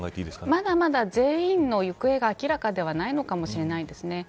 まだまだ全員の行方が明らかではないのかもしれません。